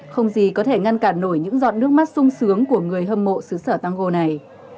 không gì có thể ngăn cản nổi những giọt nước mắt sung sướng của người hâm mộ xứ sở tăng go này